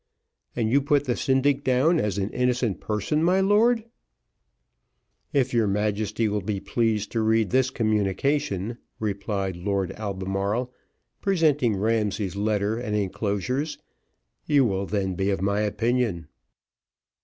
"And you put the syndic down as an innocent person, my lord?" "If your Majesty will be pleased to read this communication," replied Lord Albemarle, presenting Ramsay's letter and enclosures, "you will then be of my opinion."